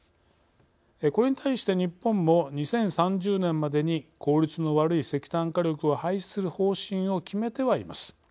これに対して日本も２０３０年までに効率の悪い石炭火力を廃止する方針を決めてはいます。